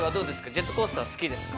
ジェットコースターは好きですか？